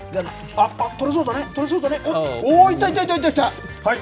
あっあっ、取れそうだね、取れそうだね、おっ、いったいったいった。